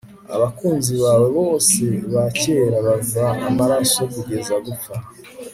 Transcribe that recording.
Abakunzi bawe bose bakera bava amaraso kugeza gupfa